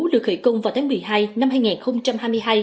được khởi công vào tháng một mươi hai năm hai nghìn hai mươi hai